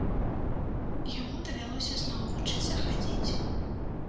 Яму давялося зноўку вучыцца хадзіць.